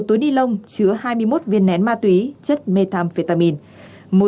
một túi nilon chứa hai mươi một viên nén ma túy chất methamphetamine